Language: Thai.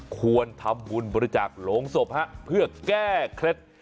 ควรทำบุญบริจาคโหลงศพเพื่อแก้เคล็ด